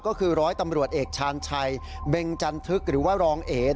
ก็คือร้อยตำรวจเอกชาญชัยเบงจันทึกหรือว่ารองเอ๋